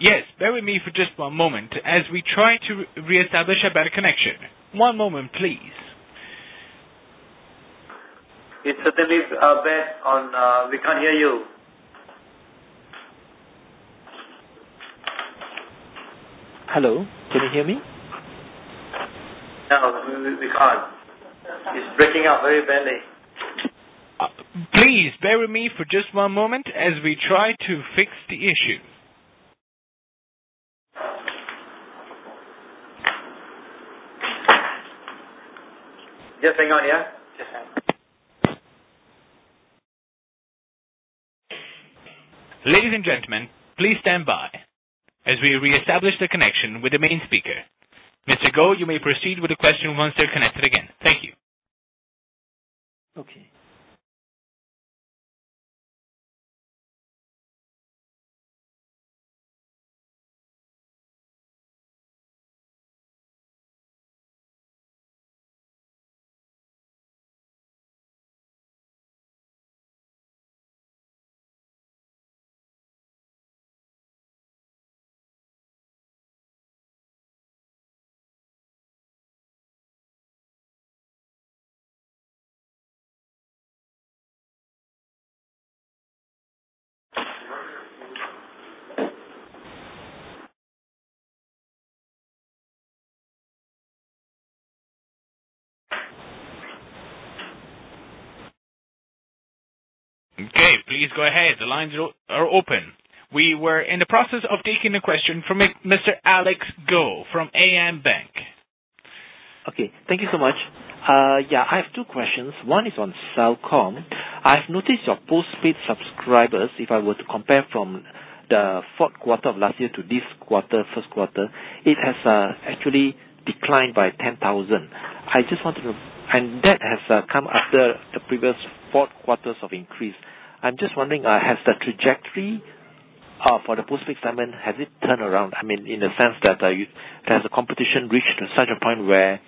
Yes. Bear with me for just one moment as we try to reestablish a better connection. One moment, please. We can't hear you. Hello, can you hear me? No, we can't. It's breaking up very badly. Please bear with me for just one moment as we try to fix the issue. Just hang on, yeah? Just hang on. Ladies and gentlemen, please stand by as we reestablish the connection with the main speaker. Mr. Goh, you may proceed with the question once you are connected again. Thank you. Okay. Okay, please go ahead. The lines are open. We were in the process of taking a question from Mr. Alex Goh from AmBank. Okay, thank you so much. Yeah, I have two questions. One is on Celcom. I have noticed your postpaid subscribers, if I were to compare from the fourth quarter of last year to this quarter, first quarter, it has actually declined by 10,000. That has come after the previous four quarters of increase. I am just wondering, has the trajectory for the postpaid segment, has it turned around? I mean, in the sense that has the competition reached such a point where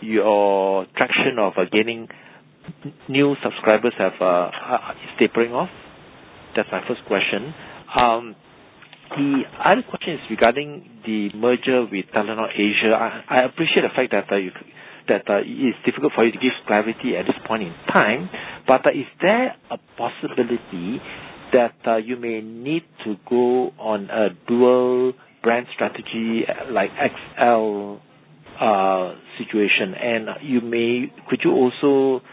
your traction of gaining new subscribers is tapering off? That is my first question. The other question is regarding the merger with Telenor Asia. I appreciate the fact that it is difficult for you to give clarity at this point in time, but is there a possibility that you may need to go on a dual brand strategy like XL situation? could you also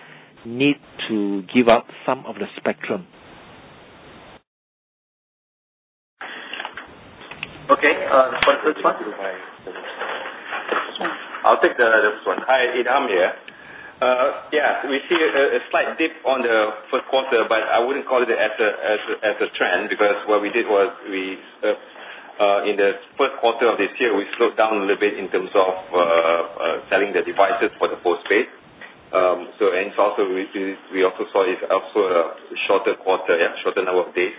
need to give up some of the spectrum? Okay. The first one? I'll take the first one. Hi, it's Idham here. Yeah, we see a slight dip on the first quarter, I wouldn't call it as a trend, because what we did was, in the first quarter of this year, we slowed down a little bit in terms of selling the devices for the postpaid. It's also we also saw a shorter quarter, shorter number of days.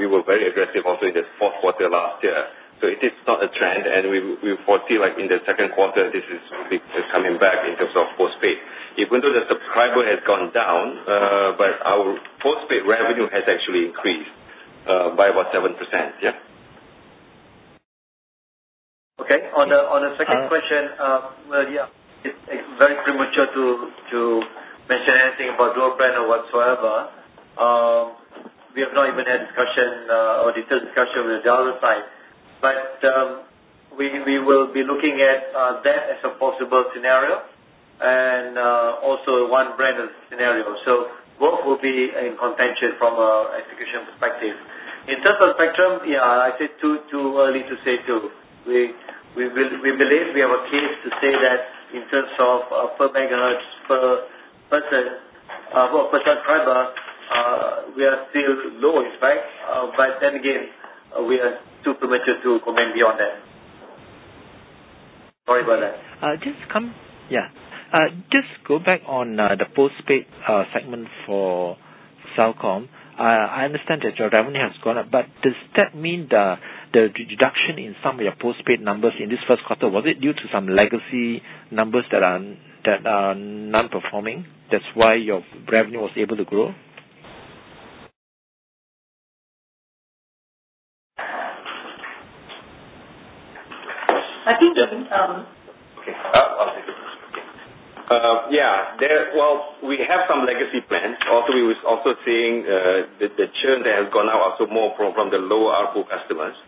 We were very aggressive also in the fourth quarter last year. It is not a trend, and we foresee in the second quarter, this is coming back in terms of postpaid. Even though the subscriber has gone down, our postpaid revenue has actually increased by about 7%. Yeah. Okay. On the second question, well, yeah, it's very premature to mention anything about dual brand or whatsoever. We have not even had a detailed discussion with the other side. We will be looking at that as a possible scenario and also a one brand scenario. Both will be in contention from an execution perspective. In terms of spectrum, yeah, I said too early to say too. We believe we have a case to say that in terms of per megahertz per person, per subscriber, we are still low in spec, then again, we are too premature to comment beyond that. Sorry about that. Just go back on the postpaid segment for Celcom. I understand that your revenue has gone up, but does that mean the deduction in some of your postpaid numbers in this first quarter, was it due to some legacy numbers that are non-performing, that's why your revenue was able to grow? I think Idham. Okay. I'll take it. Yeah. Well, we have some legacy plans. Also, we was also seeing the churn that has gone out also more from the lower ARPU customers.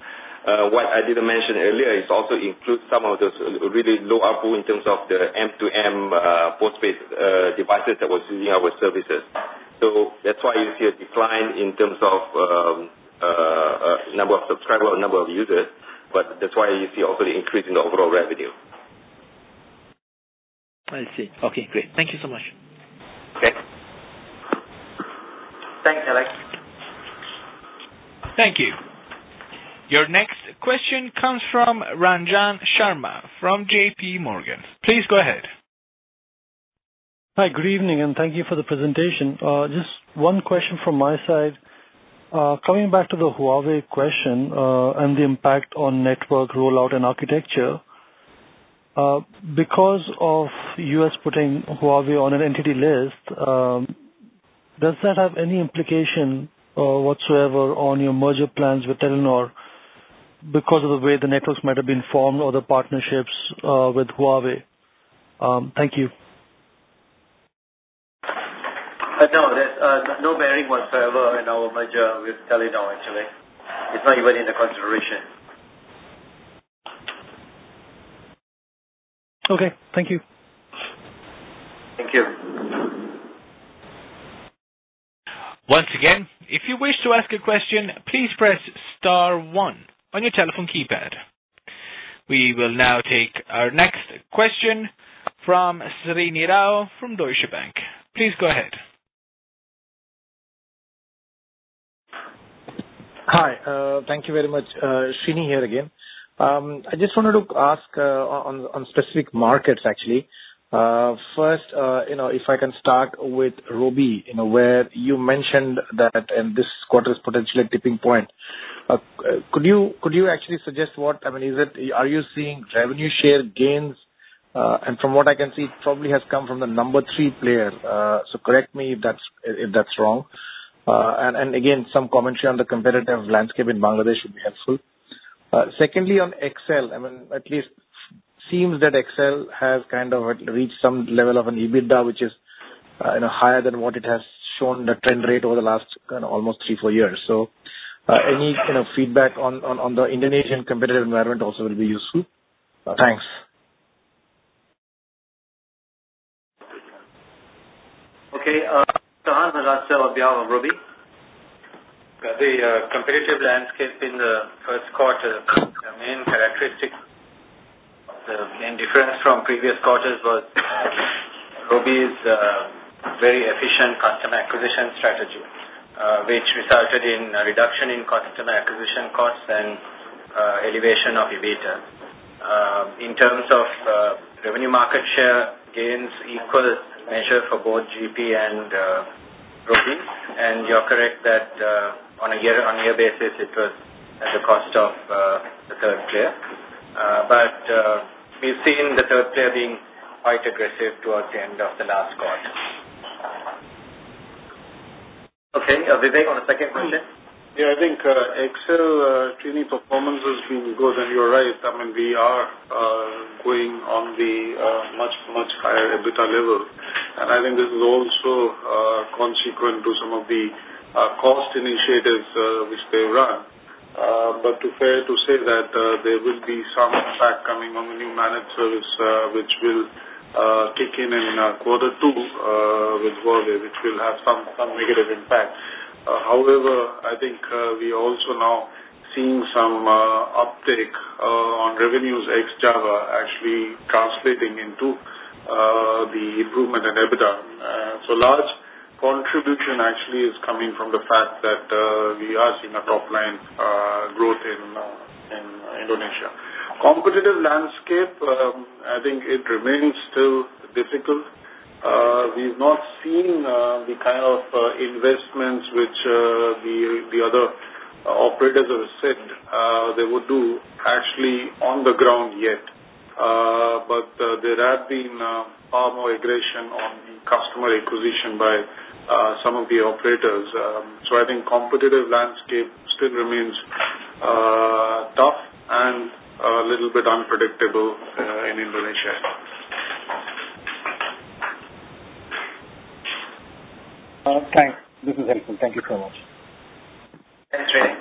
What I didn't mention earlier is also includes some of those really low ARPU in terms of the M2M postpaid devices that was using our services. That's why you see a decline in terms of number of subscribers or number of users, but that's why you see also the increase in the overall revenue. I see. Okay, great. Thank you so much. Thanks. Thanks, Alex. Thank you. Your next question comes from Ranjan Sharma from JPMorgan. Please go ahead. Hi, good evening. Thank you for the presentation. Just one question from my side. Coming back to the Huawei question, and the impact on network rollout and architecture. Because of U.S. putting Huawei on an Entity List, does that have any implication whatsoever on your merger plans with Telenor because of the way the networks might have been formed or the partnerships with Huawei? Thank you. No, there's no bearing whatsoever in our merger with Telenor actually. It's not even in the consideration. Okay. Thank you. Thank you. Once again, if you wish to ask a question, please press star one on your telephone keypad. We will now take our next question from Srini Rao from Deutsche Bank. Please go ahead. Hi. Thank you very much. Srini here again. I just wanted to ask on specific markets, actually. First, if I can start with Robi, where you mentioned that in this quarter's potentially a tipping point. Could you actually suggest what, are you seeing revenue share gains? From what I can see, it probably has come from the number 3 player. Correct me if that's wrong. Again, some commentary on the competitive landscape in Bangladesh would be helpful. Secondly, on XL, at least seems that XL has reached some level of an EBITDA, which is higher than what it has shown the trend rate over the last almost three, four years. Any feedback on the Indonesian competitive environment also will be useful. Thanks. Okay. Hans, perhaps tell about Robi. The competitive landscape in the first quarter, the main characteristic, the main difference from previous quarters was Robi's very efficient customer acquisition strategy, which resulted in a reduction in customer acquisition costs and elevation of EBITDA. In terms of revenue market share gains equal measure for both GP and Robi, and you're correct that on a year-on-year basis, it was at the cost of the third player. We've seen the third player being quite aggressive towards the end of the last quarter. Okay. Vivek, on the second question? I think XL actually performance has been good, you are right. We are going on the much higher EBITDA levels. I think this is also consequent to some of the cost initiatives which they run. Fair to say that there will be some fact coming on the new managed service which will kick in in quarter two with Huawei, which will have some negative impact. I think we also now seeing some uptake on revenues ex Java actually translating into the improvement in EBITDA. Large contribution actually is coming from the fact that we are seeing a top-line growth in Indonesia. Competitive landscape, I think it remains still difficult. We've not seen the kind of investments which the other operators have said they would do actually on the ground yet. there have been far more aggression on customer acquisition by some of the operators. I think competitive landscape still remains tough and a little bit unpredictable in Indonesia. Thanks. This is helpful. Thank you so much. Thanks, Srini.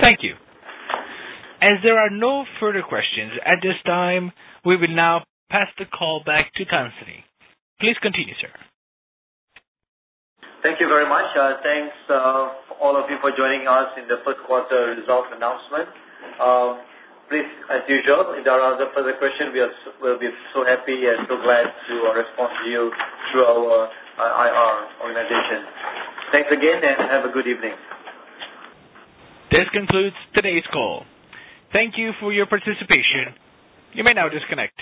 Thank you. As there are no further questions at this time, we will now pass the call back to Tan Sri. Please continue, sir. Thank you very much. Thanks all of you for joining us in the first quarter results announcement. Please, as usual, if there are other further question, we'll be so happy and so glad to respond to you through our IR organization. Thanks again, and have a good evening. This concludes today's call. Thank you for your participation. You may now disconnect.